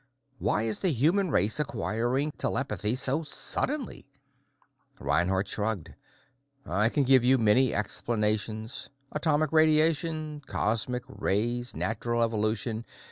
Why is the human race acquiring telepathy so suddenly?" Reinhardt shrugged. "I can give you many explanations atomic radiation, cosmic rays, natural evolution.